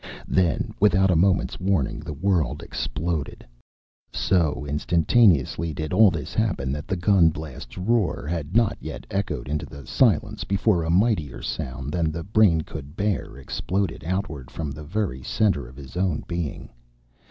Then without a moment's warning the world exploded. So instantaneously did all this happen that the gun blast's roar had not yet echoed into silence before a mightier sound than the brain could bear exploded outward from the very center of his own being.